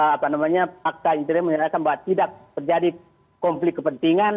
apa namanya fakta interi menyatakan bahwa tidak terjadi konflik kepentingan